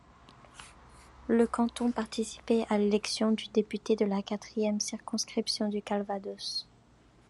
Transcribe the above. Le canton participait à l'élection du député de la quatrième circonscription du Calvados.